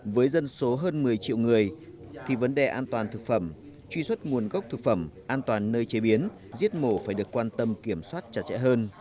với dân số hơn một mươi triệu người thì vấn đề an toàn thực phẩm truy xuất nguồn gốc thực phẩm an toàn nơi chế biến giết mổ phải được quan tâm kiểm soát chặt chẽ hơn